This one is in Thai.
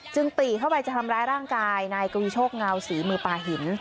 ปีเข้าไปจะทำร้ายร่างกายนายกวีโชคเงาศรีมือปลาหิน